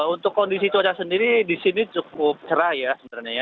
untuk kondisi cuaca sendiri di sini cukup cerah ya sebenarnya ya